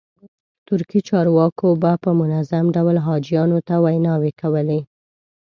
ترکي چارواکو به په منظم ډول حاجیانو ته ویناوې کولې.